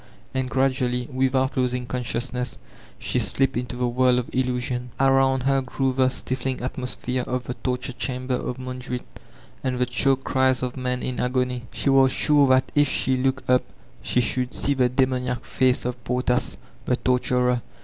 And gradually, without losing consciousness, she slipped bto the world of illusion; around her grew the stifling atmosphere of the torture chamber of Montjuich, and the choked cries of men b agony. She was sure that if she looked up she should see the demoniac face of Portas, the torturer.